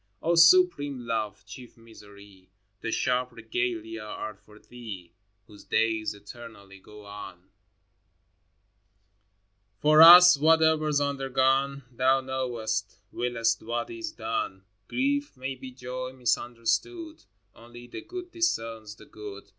O supreme Love, chief Misery, The sharp regalia are for Thee Whose days eternally go on ! For us, —whatever's undergone, Thou knowest, wiliest what is done. Grief may be joy misunderstood : Only the Good discerns the good.